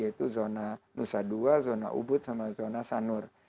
yaitu zona nusa dua zona ubud sama zona sanur